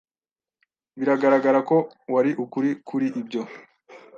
Biragaragara ko wari ukuri kuri ibyo.